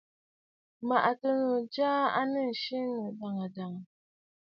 M̀mɔ̀ɔ̀ŋtənnǔ jyaa à nɨ tsiʼǐ ɨnnǔ dàŋə̀ dàŋə̀.